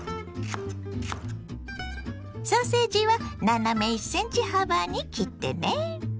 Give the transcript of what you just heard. ソーセージは斜め１ｃｍ幅に切ってね。